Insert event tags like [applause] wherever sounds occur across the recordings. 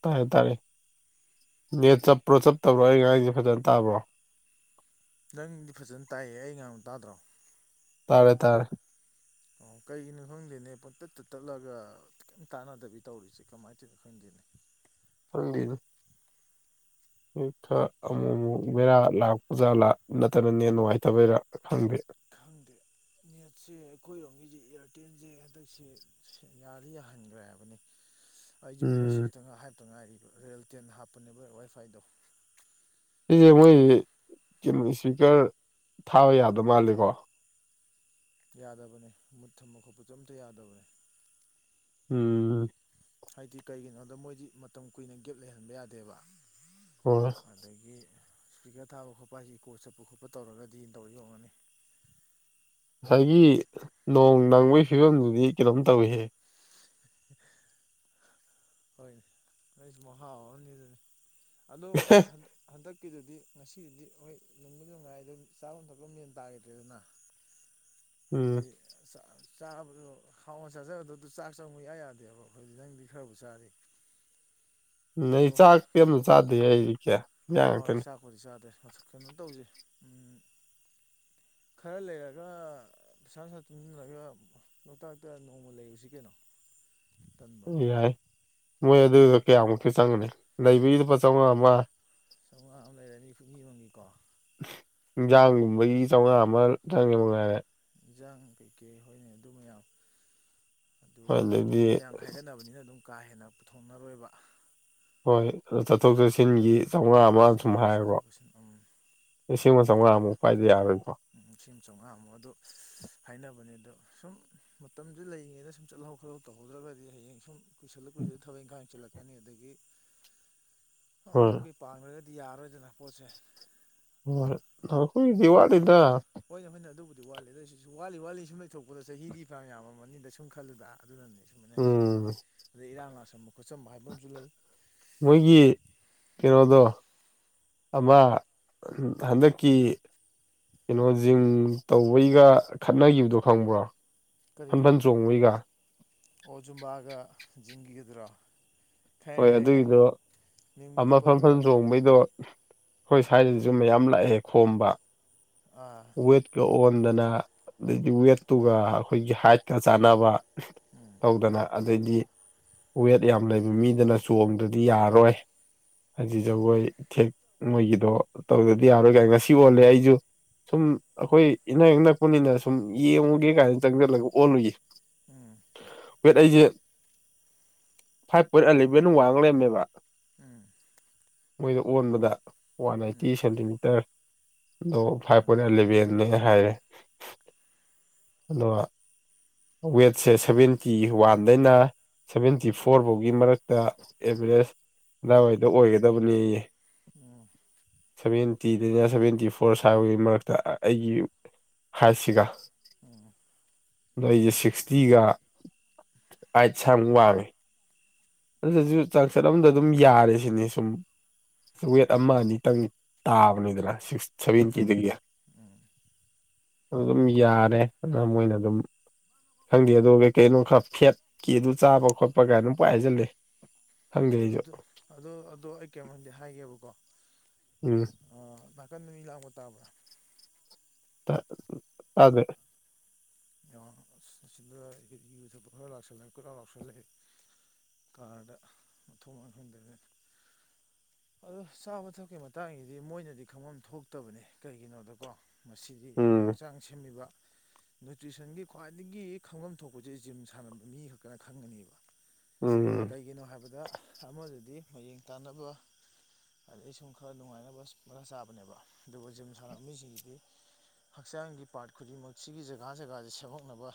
ꯇꯥꯔꯦ ꯇꯥꯔꯦ ꯅꯦꯠ ꯆꯞꯄ꯭ꯔꯣ ꯆꯞꯠꯇꯕ꯭ꯔꯣ ꯑꯩ ꯉꯔꯥꯡꯉꯤꯁꯦ ꯐꯖꯅ ꯇꯥꯕ꯭ꯔꯣ ꯅꯪꯗꯤ ꯐꯖꯅ ꯇꯥꯏꯑ‌ꯦ ꯑꯩ ꯉꯥꯡꯕ ꯇꯥꯗ꯭ꯔꯣ ꯇꯥꯔꯦ ꯇꯥꯔꯦ ꯑꯣ ꯀꯩꯒꯤꯅꯣ ꯈꯪꯗꯦꯅꯦ ꯄꯨꯡꯇꯠ ꯇ ꯇꯠꯂꯒ ꯈꯤꯇꯪ ꯇꯥꯟꯅꯗꯕꯤ ꯇꯧꯔꯤꯁꯦ ꯀꯃꯥꯏꯅ ꯇꯧꯔꯤꯅꯣ ꯈꯪꯗꯦꯅꯦ ꯐ ꯈꯔ ꯑꯃꯨꯛ ꯑꯃꯨꯛ ꯃꯦꯔꯥ ꯂꯥꯛꯄꯖꯥ ꯂ ꯅꯠꯇꯅꯅꯦ ꯅꯨꯡꯉꯥꯏꯇꯕꯩꯔꯥ ꯈꯪꯗ ꯈꯪꯗꯦ ꯅꯦꯠꯁꯦ ꯑꯩꯈꯣꯏꯔꯣꯝꯉꯁꯦ ꯏꯌꯥꯔꯇꯦꯜꯁꯦ ꯍꯟꯗꯛꯁꯦ ꯌꯥꯗꯤ ꯌꯥꯍꯟꯈ꯭ꯔꯦ ꯍꯥꯏꯕꯅꯤ ꯑꯩꯒꯤ ꯋꯦꯂꯦꯖ ꯎꯝ ꯑꯁꯤꯇꯪ ꯍꯥꯏꯞꯇ ꯉꯥꯏꯔꯤꯕ ꯔꯤꯌꯦꯜ ꯇꯦꯟ ꯍꯥꯞꯄꯅꯦꯕ ꯋꯥꯏꯐꯥꯏꯗꯣ ꯁꯤꯁꯦ ꯃꯣꯏ ꯀꯣ ꯏꯁꯄꯤꯀꯔ ꯊꯥꯕ ꯌꯥꯗ ꯃꯥꯂꯦꯀꯣ ꯌꯥꯗꯕꯅꯤ ꯃꯨꯠ ꯊꯝꯕ ꯈꯣꯠꯄꯁꯨ ꯑꯝꯇ ꯌꯥꯗꯕꯅꯤ ꯎꯝ ꯍꯥꯏꯗꯤ ꯀꯩꯒꯤꯅꯣꯗ ꯃꯣꯏꯗꯤ ꯃꯇꯝ ꯀꯨꯏꯅ ꯒꯦꯞ ꯂꯩꯍꯟꯕ ꯌꯥꯗꯦꯕ ꯍꯣꯏ ꯑꯗꯒꯤ ꯏꯁꯄꯤꯀꯔ ꯊꯥꯕ ꯈꯣꯠꯄ ꯍꯥꯏꯁꯤ ꯀꯣꯠ ꯆꯠꯄ ꯈꯣꯠꯄ ꯇꯧꯔꯒꯗꯤ ꯇꯧ ꯌꯣꯟꯉꯅꯤ ꯉꯁꯥꯏꯒꯤ ꯅꯣꯡ ꯅꯪꯕꯒꯤ ꯐꯤꯕꯝꯗꯨꯗꯤ ꯀꯩꯅꯣꯝ ꯇꯧꯏꯍꯦ ꯀ [inaudible] ꯍꯣꯏꯅꯦ ꯅꯣꯏꯁꯨ ꯃꯍ ꯍꯥꯎꯅꯤꯗꯨꯅꯤ ꯑꯗꯨꯟꯗ ꯍꯟꯗꯛꯀꯤꯗꯨꯗꯤ ꯉꯁꯤꯗꯤ ꯍꯣꯏ ꯂꯕ ꯅꯨꯡꯉꯥꯏ ꯑꯗꯨ ꯆꯥꯣꯟ ꯊꯛꯄ ꯃꯦꯟ ꯇꯥꯈꯤꯗ꯭ꯔꯦꯗꯅ [inaudible] ꯍꯥꯏꯗꯤ ꯆꯥꯕꯗꯣ ꯍꯥꯎꯅ ꯆꯥꯖꯕꯗ ꯑꯗꯨ ꯆꯥꯛ ꯆꯪꯕ ꯌꯥ ꯌꯥꯗꯦꯕ ꯑꯩꯈꯣꯏꯗꯤ ꯅꯪꯗꯤ ꯈꯔꯕꯨ ꯇꯁꯔꯤ ꯅ ꯆꯥꯛꯇ ꯌꯥꯝ ꯆꯥꯗꯦ ꯑꯩꯗꯤ ꯀꯌꯥ ꯏꯟꯖꯥꯡ ꯍꯣꯏ ꯉꯥꯛꯇꯅꯤ ꯆꯥꯛꯄꯨꯗꯤ ꯆꯥꯗꯦ ꯃꯊꯛ ꯀꯩꯅꯣ ꯇꯧꯁꯦ ꯎꯝ ꯈꯔ ꯂꯩꯔꯒ ꯄꯩꯁꯥꯅꯨꯡꯁꯥ ꯇꯤꯟꯁꯤꯜꯂꯒ ꯂꯣꯛꯇꯥꯛꯇ ꯅꯣꯡꯃ ꯂꯩꯔꯨꯁꯤ ꯀꯩꯅꯣ ꯇꯟꯕ꯭ꯔꯣ ꯌꯥꯏ ꯃꯣꯏ ꯍꯥꯏꯗꯤ ꯑꯗꯨꯗ ꯀꯌꯥꯃꯨꯛꯇꯤ ꯆꯪꯒꯅꯤ ꯂꯩꯕꯒꯤ ꯂꯨꯄꯥ ꯆꯥꯝꯉꯥ ꯑꯃ ꯆꯃꯉꯥ ꯑꯃ ꯂꯩꯔꯅꯤ ꯐꯨꯡꯅꯤ ꯃꯅꯤꯀꯣ ꯏꯟꯖꯥꯡꯒꯨꯝꯕꯒꯤ ꯆꯥꯝꯃꯉꯥ ꯑꯃ ꯆꯪꯉꯦ ꯃꯉꯥꯏꯔꯦ ꯌꯦꯟꯖꯥꯡ ꯀꯩꯀꯩ ꯍꯣꯏꯅꯦ ꯑꯗꯨ ꯃꯌꯥꯝ ꯑꯗꯨ ꯍꯣꯏ ꯑꯗꯩꯗꯤ ꯑꯗꯨꯕꯨꯗꯤ ꯃꯌꯥꯝ ꯈꯥꯏꯒꯠꯅꯕꯅꯤꯅ ꯑꯗꯨꯝ ꯀꯥ ꯍꯦꯟꯅ ꯄꯨꯊꯣꯛꯅꯔꯣꯏꯕ ꯍꯣꯏ ꯑ ꯆꯠꯊꯣꯛ ꯆꯠꯁꯤꯟꯒꯤ ꯆꯥꯝꯃꯉꯥ ꯑꯃ ꯁꯨꯝ ꯆꯥꯝꯃꯉꯥ ꯍꯥꯏꯦꯔꯕꯣ ꯆꯠꯊꯣꯛ ꯆꯠꯁꯤꯟ ꯎꯝ ꯂꯤꯁꯤꯡ ꯑꯃ ꯆꯥꯝꯃꯉꯥꯃꯨꯛ ꯄꯏꯗ ꯌꯥꯔꯣꯏꯀꯣ ꯂꯤ ꯑꯃ ꯆꯥꯝꯃꯉꯥꯃꯨꯛ ꯑꯗꯨ ꯍꯥꯏꯅꯕꯅꯦ ꯑꯗꯣ ꯁꯨꯝ ꯃꯇꯝꯁꯦ ꯂꯩꯔꯤꯉꯩꯅ ꯁꯨꯝ ꯆꯠꯍꯧ ꯈꯣꯠꯍꯧ ꯇꯧꯍꯧꯗ꯭ꯔꯒꯗꯤ ꯍꯌꯦꯡ ꯁꯨꯝ ꯀꯨꯏꯁꯜꯂ ꯀꯨꯏꯁꯜꯂꯒ ꯊꯕꯛ ꯏꯪꯈꯥꯡꯪꯁꯤꯜꯂꯛꯀꯅꯤ ꯑꯗꯒꯤ ꯍꯣꯏ ꯌꯨꯝꯩ ꯄꯥꯡꯈ꯭ꯔꯒꯗꯤ ꯌꯥꯔꯣꯏꯗꯅ ꯄꯣꯠꯁꯦ ꯑꯗꯨꯅ ꯍꯈꯣꯏꯗꯤ ꯋꯥꯗꯗ ꯍꯣꯏꯅ ꯍꯣꯏꯅ ꯑꯗꯨꯕꯨꯗꯤ ꯋꯥꯠꯂꯤ ꯑꯗꯁꯨ ꯋꯥꯠꯂꯤ ꯋꯥꯠꯂꯤ ꯁꯨꯝ ꯂꯩꯊꯣꯛꯄꯗ ꯆꯍꯤꯗꯤ ꯄꯥ ꯌꯥꯝꯕꯅꯤꯗ ꯁꯨꯝ ꯈꯜꯂꯨꯗ ꯑꯗꯨꯅꯅꯦ ꯑꯩ ꯁꯨꯝꯃꯅꯔꯤꯁꯦ ꯎꯝ ꯑꯗꯩ ꯏꯔꯥꯡ ꯂꯁꯕ ꯈꯣꯠꯁꯕ ꯍꯥꯏꯕ ꯑꯃꯁꯨ ꯂꯩ ꯃꯣꯏꯒꯤ ꯀꯩꯅꯣꯗꯣ ꯑꯃ ꯍꯟꯗꯛꯀꯤ ꯀꯩꯅꯣ ꯖꯤꯡ ꯇꯧꯕꯩꯒ ꯈꯠꯅꯈꯤꯕꯗꯣ ꯐꯪꯕ꯭ꯔꯣ ꯀꯔꯤꯒꯤ ꯑꯣꯖꯨꯝꯕꯥꯒ ꯤꯡꯈꯤꯒꯗ꯭ꯔꯣ ꯍꯣꯏ ꯑꯗꯨꯒꯤꯗꯣ ꯑꯃ ꯐ ꯐꯟ ꯄꯜꯂꯛꯑꯅꯨ ꯆꯣꯡꯕꯩꯗꯣ ꯑꯩꯈꯣꯏ ꯁ꯭ꯋꯥꯏꯗꯁꯨ ꯃꯌꯥꯝ ꯂꯥꯛꯑꯦ ꯈꯣꯝꯕ ꯑꯥ ꯋꯦꯠꯀ ꯑꯣꯟꯗꯅ ꯑꯗꯩꯗꯤ ꯑꯥ ꯋꯦꯠꯇꯨꯒ ꯑꯩꯈꯣꯏꯒꯤ ꯍꯥꯏꯠꯀ ꯆꯥꯟꯅꯕ ꯎꯝ ꯇꯧꯗꯅ ꯑꯗꯩꯗꯤ ꯋꯦꯠ ꯌꯥꯝ ꯂꯩꯕ ꯃꯤꯗꯅ ꯆꯣꯡꯗ꯭ꯔꯗꯤ ꯌꯥꯔꯔꯣꯏ ꯍꯥꯏꯖꯤ ꯖꯒꯣꯏ ꯊꯦꯛ ꯃꯣꯏꯒꯤꯗꯣ ꯇꯧꯗꯗꯤ ꯌꯥꯔꯣꯏ ꯀꯥꯏ ꯉꯁꯤ ꯑꯣꯜꯂꯦ ꯑꯩꯁꯨ ꯁꯨꯝ ꯑꯩꯈꯣꯏ ꯏꯅꯥꯛ ꯑꯛ ꯅꯛꯄꯅꯤꯅ ꯁꯨꯝ ꯌꯦꯡꯉꯨꯒꯦ ꯀꯥꯏꯅ ꯆꯪꯁꯤꯜꯂꯒ ꯑꯣꯜꯂꯨꯏ ꯎꯝ ꯋꯦꯠ ꯑꯩꯁꯦ ꯐꯥꯏꯚ ꯄꯣꯏꯟ ꯑꯦꯂꯚꯦꯟ ꯋꯥꯡ ꯂꯩꯔꯝꯃꯦꯕ꯫ ꯎꯝ꯫ ꯃꯣꯏꯗ ꯑꯣꯟꯕꯗ ꯋꯥꯟ ꯎꯝ ꯑꯥꯏꯠꯇꯤ ꯁꯦꯟꯇꯤꯃꯤꯇꯔ ꯗꯣ ꯐꯥꯏꯚ ꯋꯥꯡꯉꯤꯅꯦ ꯏꯚꯦꯜꯅꯦ ꯍꯥꯏꯔꯦ ꯑꯗꯨꯒ ꯋꯦꯠꯁꯦ ꯁꯚꯦꯟꯇꯤ ꯋꯥꯟꯗꯩꯅ꯫ ꯁꯚꯦꯟꯇꯤ ꯐꯣꯔ ꯐꯥꯎꯒꯤ ꯃꯔꯛꯇ ꯑꯦꯚꯔꯦꯖ ꯑꯗꯥꯋꯥꯏꯗ ꯑꯣꯏꯒꯗꯕꯅꯦꯌꯦ꯫ ꯎꯝ꯫ ꯁꯚꯦꯟꯇꯤꯗꯅ ꯁꯚꯦꯟꯇꯤ ꯐꯣꯔ ꯁꯥꯕꯒꯤ ꯃꯔꯛꯇ ꯑꯩꯒꯤ ꯍꯥꯏꯠꯁꯤꯒ꯫ ꯎꯝ꯫ ꯑꯩꯁꯦ ꯁꯤꯛꯁꯇꯤꯒ ꯑꯥꯏꯠꯁꯋꯥꯏꯃꯨꯛ ꯋꯥꯡꯉꯦ꯫ ꯑꯗꯨꯗꯁꯨ ꯆꯥꯛꯆꯠ ꯑꯃꯗ ꯑꯗꯨꯝ ꯌꯥꯔꯦꯁꯤꯅꯦ ꯁꯨꯝ꯫ ꯋꯦꯠ ꯑꯃ ꯑꯅꯤꯇꯪ ꯇꯥꯕꯅꯤꯗꯅ ꯁꯤꯛꯁ ꯁꯚꯦꯟꯇꯤꯗꯒꯤ꯫ ꯎꯝ꯫ ꯑꯗꯨ ꯑꯗꯨꯝ ꯌꯥꯔꯦ ꯑꯗꯨꯅ ꯃꯣꯏꯅ ꯑꯗꯨꯝ꯫ ꯈꯪꯗꯦ ꯑꯗꯨꯒ ꯀꯩ ꯀꯩꯅꯣ ꯈꯔ ꯐꯦꯠꯀꯤ ꯑꯗꯨ ꯆꯥꯕ ꯈꯣꯠꯄ ꯀ ꯑꯗꯨꯝ ꯄꯪꯍꯥꯏ ꯍꯥꯏꯖꯜꯂꯦ꯫ ꯎꯝ ꯑꯗꯨ ꯑꯗꯣ ꯑꯗꯣ ꯑꯩ ꯀꯩꯅꯣꯝꯃꯗꯤ ꯍꯥꯏꯒꯦꯕꯀꯣ꯫ ꯎꯝ꯫ ꯑ ꯅꯥꯀꯟ ꯃꯤ ꯂꯥꯡꯕ ꯇꯥꯕ꯭ꯔꯥ꯫ ꯇꯥ ꯇꯥꯗꯦ꯫ ꯁꯤ ꯌꯨ ꯊꯛꯄ ꯈꯔ ꯂꯥꯛꯁꯜꯂ ꯀꯣꯏ ꯂꯥꯎ ꯂꯥꯎꯁꯜꯂ ꯂꯩꯔꯦ꯫ ꯀꯥꯔꯗ ꯃꯊꯣꯡ ꯃꯥꯔꯝ ꯈꯪꯗꯈꯩ꯫ ꯑꯗꯣ ꯆꯥꯕ ꯊꯛꯄꯀꯤ ꯃꯇꯥꯡꯒꯤꯗꯤ ꯃꯣꯏꯅꯗꯤ ꯈꯪꯐꯝ ꯊꯣꯛꯇꯕꯅꯦ ꯀꯩꯒꯤꯅꯣꯗꯀꯣ꯫ ꯃꯁꯤꯗꯤ ꯎꯝ ꯍꯛꯆꯥꯡ ꯁꯦꯝꯃꯤꯕ ꯅ꯭ꯌꯨꯇ꯭ꯔꯤꯁꯟꯒꯤ ꯈ꯭ꯋꯥꯏꯗꯒꯤ ꯈꯪꯐꯝ ꯊꯣꯛꯄꯁꯦ ꯖꯤꯝ ꯁꯥꯟꯅꯕ ꯃꯤ ꯈꯛꯇꯅ ꯈꯪꯒꯅꯦꯕ꯫ ꯎꯝ꯫ ꯀꯩꯒꯤꯅꯣ ꯍꯥꯏꯕꯗ ꯑꯃꯗꯗꯤ ꯃꯌꯦꯡ ꯇꯥꯅꯕ ꯑꯗꯩ ꯁꯨꯝ ꯈꯔ ꯅꯨꯡꯉꯥꯏꯅꯕ ꯃꯔꯥ ꯆꯥꯕꯅꯦꯕ ꯑꯗꯨꯒ ꯖꯤꯝ ꯁꯥꯃꯤꯁꯤꯡꯁꯤꯗꯤ꯫ ꯍꯛꯆꯥꯡꯒꯤ ꯄꯥꯔꯠ ꯈꯨꯗꯤꯡꯃꯛ ꯁꯤꯒꯤ ꯖꯒꯥ ꯖꯒꯥꯁꯦ ꯁꯦꯝꯃꯛꯅꯕ꫰꫰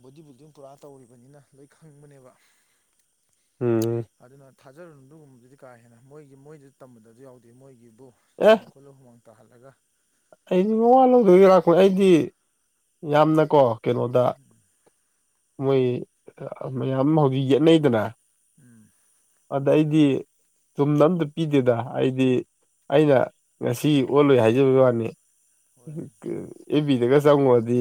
ꯕꯣꯗꯤ ꯕꯤꯜꯗꯤꯡ ꯄꯨꯔꯥ ꯇꯧꯔꯤꯕꯅꯤꯅ ꯂꯣꯏ ꯈꯪꯕꯅꯦꯕ ꯎꯝ ꯑꯗꯨꯅ ꯊꯥꯖꯔꯨꯅꯨ ꯑꯗꯨꯒꯨꯝꯕꯗꯨꯗꯤ ꯀꯥ ꯍꯦꯟꯅ ꯃꯣꯏꯒꯤ ꯃꯣꯏꯗꯗꯤ ꯇꯝꯕꯗꯁꯨ ꯌꯥꯎꯗꯦ ꯃꯣꯏꯒꯤꯕꯨ ꯑꯦ ꯆꯣꯡ [unintelligible] ꯇꯍꯜꯂꯒ꯫ ꯑꯩꯗꯤ ꯃꯋꯥ ꯂꯧꯗꯕꯤ ꯂꯥꯛꯄꯅꯤ ꯑꯩꯗꯤ ꯌꯥꯝꯅꯀꯣ ꯀꯩꯅꯣꯗ [unintelligible] ꯃꯣꯏ ꯃꯌꯥꯝ ꯍꯧꯖꯤꯛ ꯌꯦꯠꯅꯩꯗꯅ꯫ ꯎꯝ꯫ ꯑꯗꯩꯗꯤ꯫ ꯆꯨꯝꯅ ꯑꯝꯇ ꯄꯤꯗꯦꯗ ꯑꯩꯗꯤ ꯑꯩꯅ ꯉꯁꯤ ꯑꯣꯜꯂꯨꯏ ꯍꯥꯏꯖꯕꯒꯤ ꯋꯥꯅꯤ꯫ ꯍꯣꯏ ꯑꯦ ꯕꯤꯗꯒ ꯆꯪꯉꯨꯔꯗꯤ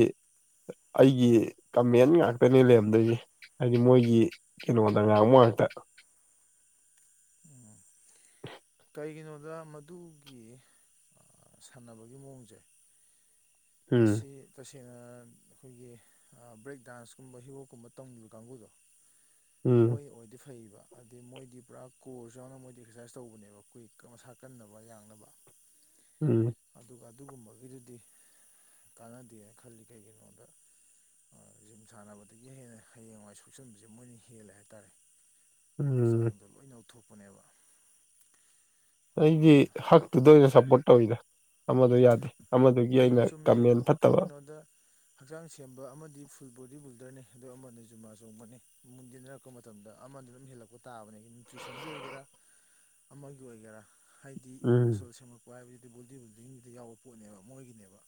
ꯑꯩꯒꯤ ꯀꯃꯦꯟ ꯉꯥꯛꯇ ꯇꯅꯤ ꯂꯩꯔꯝꯗꯣꯏꯁꯦ ꯍꯥꯏꯗꯤ ꯃꯣꯏꯒꯤ ꯀꯩꯅꯣꯗ ꯉꯥꯡꯕꯉꯥꯛꯇ꯫ ꯎꯝ ꯀꯩꯒꯤꯅꯣꯗ ꯃꯗꯨ ꯒꯤ ꯁꯥꯟꯅꯕꯒꯤ ꯃꯑꯣꯡꯁꯦ꯫ ꯎꯝ ꯃꯁꯤ꯫ ꯇꯁꯦꯡꯅ ꯑꯩꯈꯣꯏꯒꯤ ꯕ꯭ꯔꯦꯛ ꯗꯥꯟꯁꯀꯨꯝꯕ ꯍꯤ ꯍꯣꯞ ꯀꯨꯝꯕ ꯇꯨꯝꯒꯤꯕ ꯀꯥꯡꯕꯨꯗꯣ꯫ ꯎꯝ ꯃꯣꯏ ꯑꯣꯏꯗꯤ ꯐꯩꯕ꯫ ꯑꯗꯤ ꯃꯣꯏꯗꯤ ꯄꯨꯔꯥ ꯀꯣꯔꯁ ꯌꯥꯎꯅ ꯃꯣꯏꯗꯤ ꯑꯦꯛꯁꯔꯁꯥꯏꯁ ꯇꯧꯕꯅꯦꯕ ꯀꯨꯏ ꯃꯁꯥ ꯀꯟꯅꯕ ꯌꯥꯡꯅꯕ꯫ ꯎꯝ꯫ ꯑꯗꯨꯒ ꯑꯗꯨꯒꯨꯝꯕꯒꯤꯗꯨꯗꯤ꯫ ꯀꯥꯟꯅꯗꯦꯅ ꯈꯜꯂꯤ ꯀꯩꯒꯤꯅꯣꯗ꯫ ꯖꯤꯝ ꯁꯥꯟꯅꯕꯗꯒꯤ ꯍꯦꯟꯅ ꯍꯌꯦꯡꯋꯥꯏ ꯁꯣꯛꯆꯟꯕꯁꯦ ꯃꯣꯏꯅ ꯍꯦꯜꯂꯦ ꯍꯥꯏꯇꯥꯔꯦ ꯎꯝ ꯍꯛꯆꯥꯡꯗꯣ ꯂꯣꯏꯅ ꯂꯧꯊꯣꯛꯄꯅꯦꯕ ꯑꯩꯗꯤ ꯍꯛꯇꯨꯗ ꯑꯣꯏꯅ ꯁꯞꯄꯣꯔꯠ ꯇꯧꯋꯤꯗ ꯑꯃꯗꯣ ꯌꯥꯗꯦ ꯑꯃꯗꯨꯒꯤ ꯅꯤꯌꯣꯝ ꯑꯩꯅ ꯆꯨꯝꯃꯦ ꯀꯃꯦꯟ ꯐꯠꯇꯕ ꯀꯩꯒꯤꯅꯣꯗ ꯍꯛꯆꯥꯡ ꯁꯦꯝꯕ ꯑꯃꯗꯤ ꯐꯨꯜ ꯕꯣꯗꯤ ꯕꯤꯜꯗꯔꯅꯤ ꯑꯗꯨ ꯑꯃꯗꯨꯅ ꯖꯨꯃꯥ ꯆꯣꯡꯕꯅꯤ ꯃꯨꯟꯗ ꯃꯇꯝꯗ ꯑꯃꯗꯨꯅ ꯑꯗꯨꯝ ꯍꯦꯜꯂꯛꯄ ꯇꯥꯕꯅꯤ ꯅ꯭ꯌꯨꯇ꯭ꯔꯤꯁꯟꯒꯤ ꯑꯣꯏꯒꯦꯔꯥ ꯑꯃꯒꯤ ꯑꯣꯏꯒꯦꯔꯥ ꯍꯥꯏꯗꯤ ꯎꯝ ꯃꯁꯜ ꯁꯦꯝꯃꯛꯄ ꯍꯥꯏꯕꯁꯤꯗꯤ ꯕꯣꯗꯤ ꯕꯤꯜꯗꯤꯡꯗ ꯌꯥꯎꯕ ꯄꯣꯠꯅꯦꯕ ꯃꯣꯏꯒꯤꯅꯦꯕ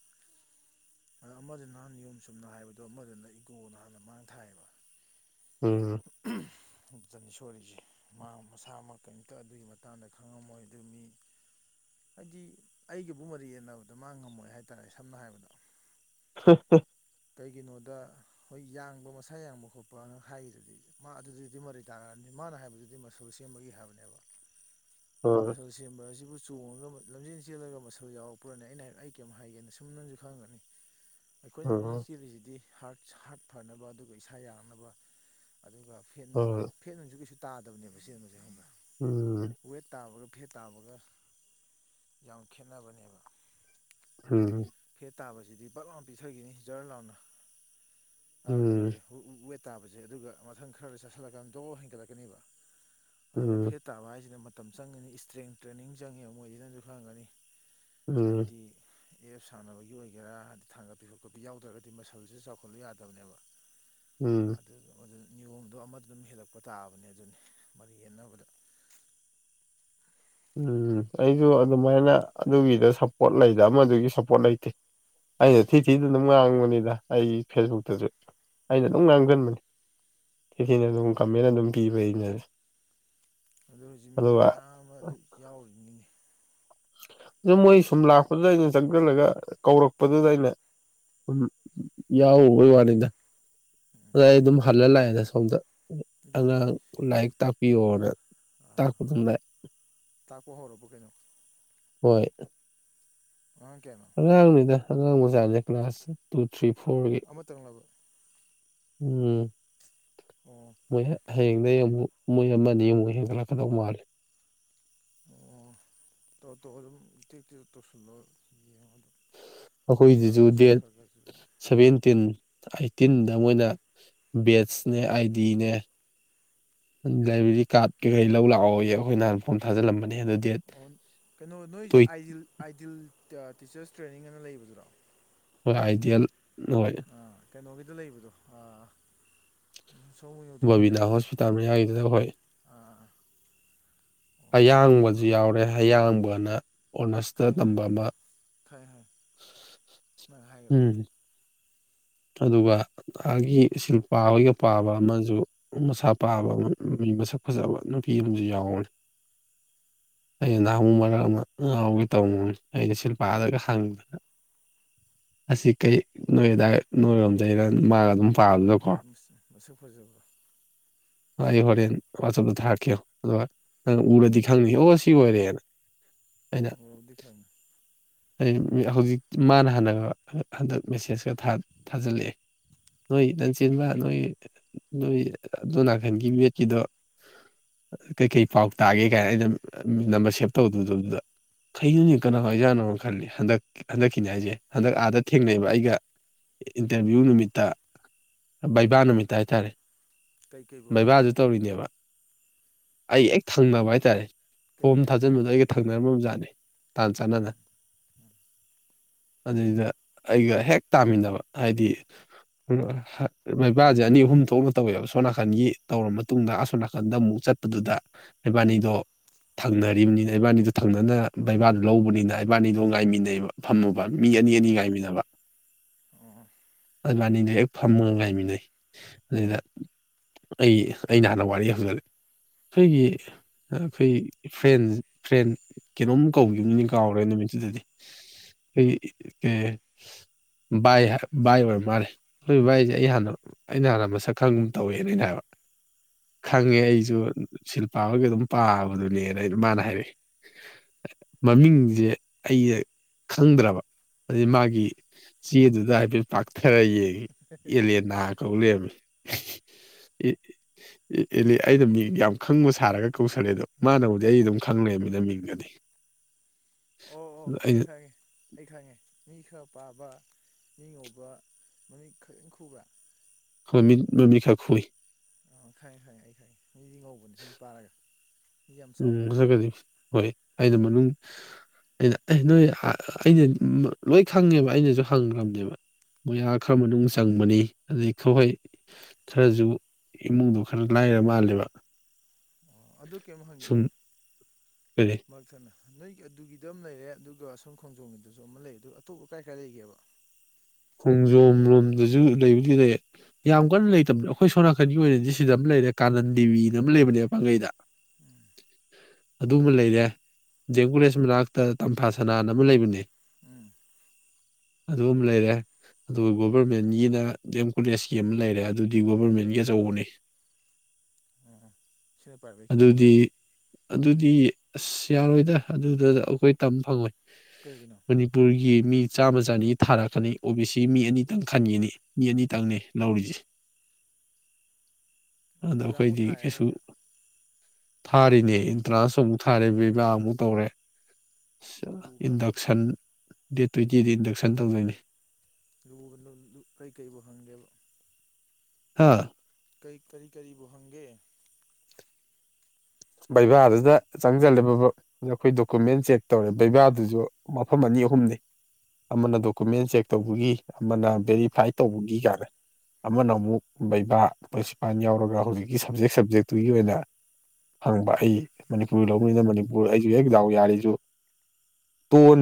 ꯑ ꯑꯃꯗꯨꯅꯥ ꯅꯍꯥꯟ ꯅꯤꯌꯣꯝ ꯆꯨꯨꯝꯅ ꯍꯥꯏꯕꯗꯣ ꯑꯃꯗꯨꯅ ꯏꯒꯣꯅ ꯍꯥꯟꯅ ꯃꯥꯡ ꯊꯥꯏꯌꯦꯕ ꯎꯝ ꯑꯗꯥꯅꯤ ꯁꯣꯔꯤꯁꯦ ꯃꯥ ꯃꯁꯥꯃꯛ ꯀꯩꯝꯇ ꯑꯗꯨꯒꯤ ꯃꯇꯥꯡꯗ ꯈꯪꯉꯝꯃꯣꯏ ꯑꯗꯨ ꯃꯤ ꯍꯥꯏꯗꯤ ꯑꯩꯒꯤꯕꯨꯨꯝꯕꯗ ꯌꯦꯟꯅꯕꯗ ꯃꯥ ꯉꯝꯃꯣꯏ ꯍꯥꯏꯇꯥꯥꯔꯦ ꯁꯝꯅ ꯍꯥꯏꯔꯕꯗ [unintelligible] ꯀꯩꯒꯤꯅꯣꯗ ꯍꯣꯏ ꯌꯥꯡꯕ ꯃꯁꯥ ꯌꯥꯡꯕ ꯈꯣꯠꯄꯅ ꯍꯥꯏꯔꯤꯗꯨꯗꯤ ꯃꯥ ꯑꯗꯨꯗꯨꯗꯤ ꯃꯔꯤ ꯇꯥꯟꯅꯔꯅꯤ ꯃꯥꯅ ꯍꯥꯏꯕꯗꯨꯗꯤ ꯑꯁ ꯁꯦꯝꯕꯒꯤ ꯍꯥꯏꯕꯅꯦꯕ [inaudible] ꯃꯁꯜ ꯁꯦꯝꯕ ꯑꯁꯤꯕꯨ ꯆꯣꯡꯉꯒ ꯂꯝꯖꯦꯟ ꯆꯦꯜꯂꯒ ꯃꯁꯜ ꯌꯥꯎꯔꯛꯄ꯭ꯔꯅꯦ ꯑꯩꯅ ꯑꯩ ꯀꯩꯝ ꯍꯥꯏꯒꯦꯅ ꯁꯨꯝ ꯅꯪꯁꯨ ꯈꯪꯒꯅꯤ ꯑꯩꯈꯣꯏꯅ ꯂꯝꯖꯦꯜ ꯍꯣꯏ ꯆꯦꯜꯂꯤꯁꯤꯗꯤ ꯍꯥꯔꯠ ꯍꯥꯔꯠ ꯐꯅꯕ ꯑꯗꯨꯒ ꯏꯁꯥ ꯌꯥꯡꯅꯕ ꯑꯗꯨꯒ ꯍꯣꯏ ꯐꯦꯠꯅꯨꯡ ꯐꯦꯠ ꯑꯣꯏꯅꯁꯨ ꯀꯩꯁꯨ ꯇꯥꯗꯕꯅꯦꯕ ꯁꯦꯝꯕꯁꯦ ꯈꯪꯉꯕꯥ ꯎꯝ ꯋꯦꯠ ꯇꯥꯕꯒ ꯐꯦꯠ ꯇꯥꯕꯒ ꯌꯥꯝ ꯈꯦꯠꯅꯕꯅꯦꯕ ꯎꯝ ꯐꯦꯠ ꯇꯥꯕꯁꯤꯗꯤ ꯄꯥꯛ ꯂꯥꯥꯎ ꯄꯤꯊꯈꯤꯅꯤ ꯖꯔ ꯂꯥꯎꯅ ꯀꯩꯅꯣꯁꯦ ꯋꯦꯠ ꯇꯥꯕꯁꯦ ꯑꯗꯨꯒ ꯃꯊꯪ ꯈꯔꯗ ꯆꯥꯁꯤꯜꯂꯀꯥꯟꯗꯣ ꯍꯦꯟꯒꯠꯂꯛꯀꯅꯦꯕ ꯎꯝ ꯑꯗꯨꯒ ꯎꯝ ꯐꯦꯠ ꯇꯥꯕ ꯍꯥꯏꯁꯤꯅ ꯃꯇꯝ ꯆꯪꯒꯅꯤ ꯏꯁꯇ꯭ꯔꯦꯡ ꯇ꯭ꯔꯦꯅꯤꯡ ꯆꯪꯉꯦꯕ ꯃꯣꯏꯁꯤꯅ ꯅꯪꯁꯨ ꯈꯪꯉꯝꯒꯅꯤ ꯎꯝ ꯍꯥꯏꯗꯤ ꯑꯦꯞ ꯁꯥꯡꯅꯕꯒꯤ ꯑꯣꯏꯒꯦꯔꯥ ꯊꯥꯡꯒꯠꯄꯤ ꯈꯣꯀꯠꯄꯤ ꯌꯥꯎꯗ꯭ꯔꯒꯗꯤ ꯃꯁꯜꯁꯤꯁꯨ ꯆꯥꯎꯈꯠꯂꯨ ꯌꯥꯗꯕꯅꯦꯕ [inaudible] ꯅꯤꯌꯣꯝꯗꯣ ꯑꯃꯗ ꯑꯗꯨꯝ ꯍꯦꯜꯂꯛꯄ ꯇꯥꯑꯕꯅꯦ ꯑꯗꯨꯅꯤ ꯃꯔꯤ ꯌꯦꯟꯅꯕꯗ ꯎꯝ ꯑꯩꯁꯨ ꯑꯗꯨꯃꯥꯏꯅ ꯑꯗꯨꯒꯤꯗ ꯁꯞꯄꯣꯔꯠ ꯂꯩꯗ ꯑꯃꯗꯨꯒꯤ ꯁꯞꯄꯣꯔꯠ ꯂꯩꯇꯦ ꯑꯩꯅ ꯎꯝ ꯊꯤ ꯊꯤꯗ ꯑꯗꯨꯝ ꯉꯥꯡꯕꯅꯤꯗ ꯑꯩ ꯐꯦꯁꯕꯨꯛꯇꯁꯨ ꯑꯩꯅ ꯎꯝ ꯑꯗꯨꯝ ꯉꯥꯡꯁꯤꯟꯕꯅꯤ ꯁꯤꯤꯊꯤꯅ ꯑꯗꯨꯝ ꯀꯝꯃꯦꯟ ꯑꯗꯨꯝ ꯄꯤꯕ ꯑꯩꯅ ꯑꯗꯨ ꯍꯧꯖꯤꯛ ꯃꯤ ꯑꯗꯨꯒ ꯃꯌꯥꯝ ꯑꯃ ꯑꯗꯨ ꯌꯥꯎꯅꯤꯡꯉꯤ ꯑꯗꯨ ꯃꯣꯏ ꯁꯨꯝ ꯂꯥꯛꯄꯗꯨꯗ ꯑꯩꯅ ꯆꯪꯁꯤꯜꯂꯒ ꯀꯧꯔꯛꯄꯗꯨꯗ ꯑꯩꯅ ꯎꯝ ꯌꯥꯎꯎꯕꯣꯏ ꯋꯥꯅꯤꯗ ꯑꯗ ꯑꯩ ꯑꯗꯨꯝ ꯍꯜꯂ ꯂꯥꯛꯑꯦꯗ ꯁꯣꯝꯗ ꯑꯗꯨꯗꯤ ꯑꯉꯥꯡ ꯂꯥꯏꯔꯤꯛ ꯇꯥꯛꯄꯤꯌꯣꯅ ꯑꯥ ꯇꯥꯛꯄ ꯑꯗꯨꯝ ꯂꯥꯛꯑꯦ ꯇꯥ ꯄꯣ ꯍꯣꯔꯕ ꯀꯩꯅꯣ ꯍꯣꯏ ꯑꯉꯥꯡ ꯀꯌꯥꯅꯣ ꯑꯉꯥꯡꯅꯤꯗ ꯑꯉꯥꯡ ꯃꯖꯥꯅꯦꯦ ꯀ꯭ꯂꯥꯁ ꯇꯨ ꯊ꯭ꯔꯤ ꯐꯣꯔꯒꯤ ꯑꯃꯇꯪꯂꯕ ꯎꯝ ꯑꯣ ꯃꯣꯏ ꯍꯌꯦꯡꯗ ꯌꯦꯡꯉꯨ ꯃꯣꯏ ꯑꯃꯅꯤ ꯌꯦꯡꯉꯨ ꯍꯦꯟꯒꯠꯂꯛꯀꯗꯧ ꯃꯥꯜꯜꯂꯤꯦ ꯑꯣ ꯇꯣ ꯇꯣ ꯑꯗꯨꯝꯛꯇꯤ ꯇꯧꯁꯤꯜꯂꯣ ꯌꯦꯉ ꯑꯗꯨ ꯑꯩꯈꯣꯏꯁꯤꯁꯨ ꯗꯦꯜ ꯁꯚꯦꯟꯇꯤꯟ ꯑꯠꯇꯤꯟꯗ ꯃꯣꯏꯅ ꯕꯦꯠꯁꯅꯦ ꯑꯥꯏ ꯗꯤꯅꯦ ꯂꯥꯏꯕ꯭ꯔꯦꯔꯤ ꯀꯥꯔꯠ ꯀꯩꯀꯩ ꯂꯧ ꯂꯥꯛꯑꯣ ꯑꯩꯈꯣꯏ ꯅꯥꯟ ꯐꯣꯝ ꯊꯥꯖꯤꯜꯂꯝꯕꯅꯦ ꯑ ꯑꯗꯨ ꯗꯦꯠ ꯑꯣ ꯀꯩꯅꯣ ꯅꯣꯏꯁ ꯇꯣꯏ ꯑꯥꯏꯗꯤꯜ ꯑꯥꯏꯗꯤꯜ ꯇꯤꯆꯔꯁ ꯇ꯭ꯔꯦꯅꯤꯡ ꯑꯅ ꯂꯩꯕꯗꯨꯔꯣ ꯍꯣꯏ ꯑꯥꯏꯗꯤꯌꯥꯜ ꯍꯣꯏ ꯑꯥ ꯀꯩꯅꯣꯒꯤꯗꯣ ꯂꯩꯕꯗꯣ ꯑꯥ ꯎꯝ ꯁꯣꯃ ꯌꯧꯗ꯭ꯔꯤꯉꯩꯁꯨ ꯕꯕꯤꯅꯥ ꯂꯩꯗꯣ ꯍꯣꯁꯄꯤꯇꯥꯜ ꯃꯌꯥꯒꯤꯗꯨꯗ ꯍꯣꯏ ꯑꯥ ꯑꯣ ꯑꯌꯥꯡꯕꯁꯨ ꯌꯥꯎꯔꯦ ꯑꯌꯥꯡꯕꯅ ꯑꯣꯅꯔꯁꯇ ꯈꯪꯉꯦ ꯇꯝꯕ ꯈꯪꯉꯦ ꯑꯃ ꯈꯪꯉꯦ ꯈꯪꯉꯦ ꯅꯪ ꯍꯥꯏꯈ꯭ꯔꯦ ꯎꯝ ꯑꯗꯨꯒ ꯑꯩꯒꯤ ꯁꯤꯜꯄꯥ ꯍꯣꯏꯒ ꯄꯥꯕ ꯑꯃꯁꯨ ꯃꯁꯥ ꯄꯥꯕ ꯃꯤ ꯃꯁꯛ ꯐꯖꯕ ꯅꯨꯄꯤ ꯑꯃꯁꯨ ꯌꯥꯎꯔꯅꯤ ꯑꯩꯅ ꯅꯍꯥꯨ ꯃꯔꯛ ꯑꯃ ꯉꯥꯎꯒ ꯇꯧꯅꯤ ꯑꯩꯅ ꯁꯤꯜꯄꯥꯗꯒ ꯍꯥꯡꯕꯗ ꯑꯁꯤ ꯀꯩ ꯅꯣꯏꯗꯥ ꯅꯣꯏꯔꯣꯝꯗꯔ ꯃꯥꯒ ꯑꯗꯨꯝ ꯄꯥꯕꯗꯨꯗꯀꯣ ꯎꯝ ꯃꯁꯛ ꯐꯖꯕ꯭ꯔꯣ ꯑꯩ ꯍꯣꯔꯦꯟ ꯋꯥꯆꯞꯇ ꯊꯥꯔꯛꯀꯦ ꯌꯦꯡꯉꯣ ꯑꯗꯨꯒ ꯅꯪ ꯎꯔꯗꯤ ꯈꯪꯅꯤ ꯑꯣ ꯁꯤ ꯑꯣꯏꯔꯦꯅ ꯑꯩꯅ ꯎꯔꯕꯨꯗꯤ ꯈꯪꯉꯦ ꯍꯧꯖꯤꯛꯇꯤ ꯃꯥꯅ ꯍꯥꯟꯅꯒ ꯍꯟꯗꯛ ꯃꯦꯁꯦꯁꯀ ꯊꯥ ꯊꯥꯖꯤꯜꯂꯛꯑꯦ ꯅꯣꯏ ꯅꯪꯁ ꯆꯤꯟꯕ ꯅꯣꯏ ꯅꯣꯏ ꯑꯗꯨꯅꯥꯀꯟꯒꯤ ꯃꯦꯠꯀꯤꯗꯣ ꯀꯩꯀꯩ ꯄꯥꯎ ꯇꯥꯒꯦ ꯀꯥꯏꯅ ꯑꯩꯅ ꯅꯝꯕꯔ ꯁꯦꯞ ꯇꯧꯗꯗꯣ ꯑꯗꯨꯗ ꯀꯩꯅꯣꯅꯦ ꯀꯅꯥꯋꯥꯏꯖꯥꯅꯣ ꯈꯜꯂꯤ ꯍꯟꯗꯛ ꯍꯟꯗꯛꯀꯤꯅꯦ ꯍꯥꯏꯁꯦ ꯍꯟꯗꯛ ꯑꯥꯗ ꯊꯦꯡꯅꯩꯕ ꯑꯩꯒ ꯏꯟꯇꯔꯚ꯭ꯌꯨ ꯅꯨꯃꯤꯠꯇ ꯚꯩꯕꯥ ꯅꯨꯃꯤꯠꯇ ꯍꯥꯏꯇꯥꯔꯦ ꯀꯩꯀꯩꯕꯨ ꯍꯪꯉꯛꯀꯦ ꯚꯩꯕꯥꯁꯨ ꯇꯧꯔꯤꯅꯦꯕ ꯑꯩꯒ ꯍꯦꯛ ꯊꯪꯅꯕ ꯍꯥꯏꯇꯥꯔꯦ ꯐꯣꯝ ꯀꯩꯀꯩ ꯊꯥꯖꯤꯟꯕꯗꯣ ꯍꯪꯉꯛꯀꯦꯕ ꯑꯩꯒ ꯊꯪꯅꯔꯝꯕꯖꯥꯠꯅꯦ ꯇꯥꯟ ꯆꯥꯟꯅꯅ ꯑꯗꯨꯏꯗ ꯑꯩꯒ ꯍꯦꯛ ꯇꯥꯃꯤꯟꯅꯕ ꯍꯥꯏꯗꯤ ꯃꯩꯕꯁꯦ ꯑꯅꯤ ꯑꯍꯨꯝ ꯊꯣꯛꯅ ꯇꯧꯋꯦꯕ ꯁꯣꯅꯥꯀꯟꯒꯤ ꯇꯧꯔꯕ ꯃꯇꯨꯡꯗ ꯑꯁꯣꯅꯥꯀꯟꯗ ꯑꯃꯨꯛ ꯆꯠ ꯑꯗꯨꯗꯨꯗ ꯔꯩꯕꯥꯅꯤꯗꯣ ꯊꯪꯅꯔꯤꯕꯅꯤꯅ ꯏꯕꯥꯅꯤꯗꯣ ꯊꯪꯅꯅ ꯕꯩꯕꯥꯗꯨ ꯂꯧꯕꯅꯤꯅ ꯏꯕꯥꯅꯤꯗꯣ ꯉꯥꯏꯃꯤꯟꯅꯩꯕ ꯐꯝꯃꯕ ꯃꯤ ꯑꯅꯤ ꯑꯅꯤ ꯉꯥꯏꯃꯤꯟꯅꯅꯕ ꯑꯣ ꯑꯜꯕꯥꯅꯤꯗꯨ ꯍꯦꯛ ꯐꯝꯃꯒ ꯉꯥꯏꯃꯤꯟꯅꯩ ꯑꯗꯨꯗ ꯑꯩ ꯑꯩꯅ ꯍꯥꯟꯅ ꯋꯥꯔꯤ ꯍꯧꯖꯔꯛ ꯑꯩꯈꯣꯏꯒꯤ ꯑꯩꯈꯣꯏ ꯐ꯭ꯔꯦꯟ ꯐ꯭ꯔꯦꯟ ꯀꯩꯅꯣꯝ ꯀꯧꯈꯤꯕꯅꯤ ꯀꯥꯎꯔꯦ ꯅꯨꯃꯤꯠꯇꯨꯗꯗꯤ ꯑꯩ ꯀ ꯏꯍ ꯚꯥꯏ ꯑꯣꯏꯔ ꯃꯥꯜꯂꯦ ꯑꯩꯈꯣꯏ ꯚꯏꯁꯦ ꯑꯩ ꯍꯥꯟꯅ ꯑꯩꯅ ꯍꯥꯟꯅ ꯃꯁꯛ ꯈꯪꯒ ꯇꯧꯋꯦꯅꯩꯅ ꯍꯥꯏꯕ ꯈꯪꯉꯦ ꯑꯩꯁꯨ ꯁꯤꯜꯄꯥꯕꯒꯤ ꯑꯗꯨꯝ ꯄꯥꯕꯗꯨꯅꯦꯅ ꯑꯩꯅ ꯃꯥꯅ ꯍꯥꯏꯔꯛꯏ ꯃꯃꯤꯡꯖꯦ ꯑꯩꯩꯅ ꯈꯪꯗ꯭ꯔꯕ ꯑꯗꯩ ꯎꯝ ꯃꯥꯒꯤ ꯆꯦꯗꯨꯗ ꯍꯥꯏꯐꯦꯠ ꯄꯥꯛꯊꯔ ꯌꯦꯡꯉꯤ ꯑꯦꯂꯦꯅꯥ ꯀꯧ ꯂꯩꯔꯝꯃꯤ ꯑꯦ ꯑꯦ ꯑꯦꯂꯤ ꯑꯩꯅ ꯃꯤꯡ ꯌꯥꯝ ꯈꯪꯕ ꯁꯥꯔꯒ ꯀꯧꯁꯜꯂꯦꯗꯣ ꯃꯥꯅꯕꯨꯗꯤ ꯑꯩ ꯑꯗꯨꯝ ꯈꯪꯪꯂꯩꯕꯃꯤꯅ ꯃꯤꯡ [unintelligible] ꯑꯣ ꯑꯣ ꯈꯪꯉꯦ ꯈꯪꯉꯦ ꯑꯩ ꯈꯪꯉꯦ ꯃꯤ ꯈꯔ ꯄꯥꯕ ꯃꯤ ꯉꯧꯕ ꯃꯃꯤꯠ ꯈꯛꯇꯪ ꯈꯨꯕ꯭ꯔꯥ ꯈꯔ ꯃꯤꯠ ꯃꯃꯤꯠ ꯈꯔ ꯈꯨꯏ ꯑꯣ ꯈꯪꯉꯦ ꯈꯪꯉꯦ ꯑꯩ ꯈꯪꯉꯦ ꯃꯤꯗꯤ ꯉꯧꯕꯅꯦ ꯃꯤ ꯄꯥꯔꯒ ꯃꯤ ꯌꯥꯝ ꯎꯝ ꯆꯥꯎꯗꯕ ꯃꯁꯛꯀꯗꯤ ꯍꯣꯏ ꯑꯩꯅ ꯃꯅꯨꯡ ꯑꯩꯅ ꯑꯦ ꯅꯣꯏ ꯑꯩꯅ ꯂꯣꯏ ꯈꯪꯉꯦꯕ ꯑꯩꯅꯁꯨ ꯍꯪꯈ꯭ꯔꯕꯅꯦꯕ ꯃꯣꯏ ꯑꯥ ꯈꯔ ꯃꯅꯨꯡ ꯆꯪꯕꯅꯤ ꯑꯗꯨꯏ ꯈꯨꯍꯩ ꯈꯔꯁꯨ ꯏꯃꯨꯡꯗꯣ ꯈꯔ ꯂꯥꯏꯔ ꯃꯥꯜꯂꯦꯕ ꯑꯣ ꯑꯗꯨ ꯀꯩꯝ ꯁꯨꯝ ꯍꯪꯒꯦꯅꯦ ꯀꯔꯤ ꯁꯅ ꯅꯣꯏꯒꯤ ꯑꯗꯨꯒꯤꯗ ꯑꯃ ꯂꯩꯔꯦ ꯑꯗꯨꯒ ꯁꯣꯝ ꯈꯣꯡꯖꯣꯝꯒꯤꯗꯁꯨ ꯑꯃ ꯂꯩ ꯑꯗꯨ ꯑꯇꯣꯞꯄ ꯀꯥꯏ ꯀꯥꯏ ꯂꯩꯒꯦꯕ ꯈꯣꯡꯖꯣꯝ ꯂꯣꯝꯗꯁꯨ ꯂꯩꯕꯨꯗꯤ ꯂꯩ ꯌꯥꯝ ꯀꯟꯅ ꯂꯩꯇꯕ꯭ꯔꯣ ꯑꯩꯈꯣꯏ ꯁꯣꯝꯅꯥꯀꯟꯒꯤ ꯑꯣꯏꯅꯗꯤ ꯁꯤꯗ ꯑꯃ ꯂꯩꯔꯦ ꯀꯥꯅꯟꯗꯦꯕꯤꯗ ꯑꯃ ꯂꯩꯕꯅꯦꯕ ꯄꯥꯡꯒꯩꯗ ꯎꯝ ꯑꯗꯨꯃ ꯂꯩꯔꯦ ꯖꯦꯝ ꯀꯣꯂꯦꯖ ꯃꯅꯥꯛꯇ ꯇꯝꯐꯥ ꯁꯅꯥꯅ ꯑꯃ ꯂꯩꯕꯅꯦ ꯎꯝ ꯑꯗꯨꯝ ꯂꯩꯔꯦ ꯑꯗꯨꯒ ꯒꯣꯕꯔꯃꯦꯟꯒꯤꯅ ꯗꯦꯝ ꯀꯣꯂꯦꯖꯀꯤ ꯑꯃ ꯂꯩꯔꯦ ꯑꯗꯨꯗꯤ ꯒꯣꯕꯔꯃꯦꯟꯒꯤ ꯑꯆꯧꯕꯅꯤ ꯑꯣ ꯁꯤꯅ ꯄ꯭ꯔꯥꯏꯚꯦꯠꯀꯤ ꯑꯗꯨꯗꯤ ꯑꯣꯏꯗꯣꯏꯔꯕ ꯑꯗꯨꯗꯤ ꯑꯁ ꯌꯥꯔꯣꯏꯗ ꯑꯗꯨꯗ ꯑꯩꯈꯣꯏ ꯇꯝ ꯐꯪꯉꯣꯏ ꯀꯩꯒꯤꯅꯣ ꯄꯨꯔꯒꯤ ꯃꯤ ꯆꯥꯝꯃ ꯆꯅꯤ ꯊꯥꯔꯛꯀꯅꯤ ꯑꯣ ꯕꯤ ꯁꯤ ꯃꯤ ꯑꯅꯤꯇꯪ ꯈꯟꯒꯤꯅꯤ ꯃꯤ ꯑꯅꯤꯇꯪꯅꯦ ꯂꯧꯔꯤꯁꯦ ꯑꯣ ꯑꯗ‌ꯣ ꯑꯦꯛꯖꯥꯝꯕꯨ ꯑꯩꯈꯣꯏꯗꯤ ꯊꯥꯏꯔꯦ ꯀꯩꯁꯨ ꯅꯣꯏꯁꯦ ꯊꯥꯔꯤꯅꯦ ꯏꯟꯇ꯭ꯔꯥꯟꯁ ꯑꯃꯨꯛ ꯊꯥꯔꯦ ꯕꯩꯕꯥ ꯑꯃꯨꯛ ꯇꯧꯔꯦ ꯂꯨꯈ꯭ꯔꯕ ꯏꯟꯗꯛꯁꯟ ꯗꯦꯠ ꯇ꯭ꯋꯦꯟꯇꯤꯗ ꯏꯟꯗꯛꯁꯟ ꯇꯧꯗꯣꯏꯅꯦ ꯂꯨꯕꯅ‌ꯣ ꯂꯨ ꯀꯩꯀꯩꯕꯨ ꯍꯪꯒꯦꯕ ꯍꯥꯥ ꯀꯩ ꯀꯔꯤ ꯀꯔꯤꯕꯨ ꯍꯪꯒꯦ ꯕꯩꯕꯥꯗꯨꯗ ꯆꯪꯁꯤꯜꯂꯦ ꯄꯔ‌ꯞ ꯄꯔꯞ ꯑꯩꯈꯣꯏ ꯗꯣꯀꯨꯃꯦꯟ ꯆꯦꯛ ꯇꯧꯔꯦ ꯕꯩꯕꯥꯗꯨꯁꯨ ꯃꯐꯝ ꯑꯅꯤ ꯑꯍꯨꯝꯅꯤ ꯑꯃꯅ ꯗꯣꯀꯨꯃꯦꯟ ꯆꯦꯛ ꯇꯧꯕꯒꯤ ꯑꯃꯅ ꯚꯦꯔꯤꯐꯥꯏ ꯇꯧꯕꯒꯤ ꯀꯥꯏꯅ ꯑꯃꯅ ꯑꯃꯨꯛ ꯕꯩꯕꯥ ꯄ꯭ꯔꯤꯟꯁꯤꯄꯜ ꯌꯥꯎꯔꯒ ꯍꯧꯖꯤꯛꯀꯤ ꯁꯕꯖꯦꯛ ꯁꯕꯖꯦꯛꯇꯨꯒꯤ ꯑꯣꯏꯅ ꯍꯪꯕ ꯑꯩ ꯃꯅꯤꯄꯨꯔꯤ ꯂꯧꯕꯅꯤꯅ ꯃꯅꯤꯄꯨꯔ ꯑꯩꯁꯨ ꯍꯦꯛ ꯗꯥꯎ ꯌꯥꯔꯤꯁꯨ ꯇ‌ꯣꯟ